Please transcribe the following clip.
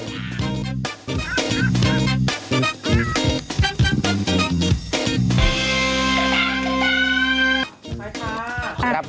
จ๊ะจ้า